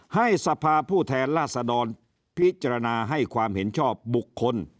ให้สภาผู้แทนราษดรพิจารณาให้ความเห็นชอบบุคคล